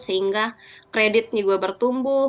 sehingga kredit juga bertumbuh